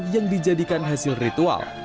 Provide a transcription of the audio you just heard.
yang dijadikan hasil ritual